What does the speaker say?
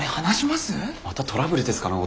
またトラブルですかね